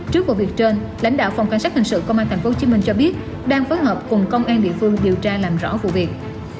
trước vụ việc trên lãnh đạo phòng cảnh sát hình sự công an tp hcm cho biết đang phối hợp cùng công an địa phương điều tra làm rõ vụ việc